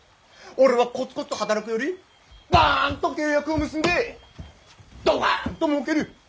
俺はコツコツ働くよりバンと契約を結んでドカンともうける。